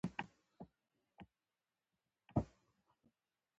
د لیک ښوونکي د پوهې لارښوونکي وو.